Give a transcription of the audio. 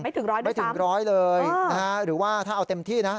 ไม่ถึง๑๐๐ด้วยซ้ำไม่ถึง๑๐๐เลยหรือว่าถ้าเอาเต็มที่นะ